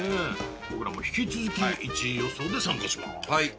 僕らも引き続き１位予想で参加します。